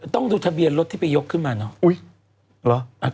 ต้องดูทะเบียนรถที่ไปยกขึ้นมาเนอะ